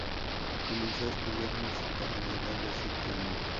Comenzó a estudiar música a la edad de siete años.